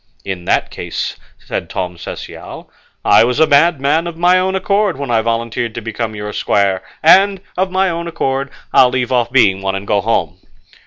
"In that case," said Tom Cecial, "I was a madman of my own accord when I volunteered to become your squire, and, of my own accord, I'll leave off being one and go home."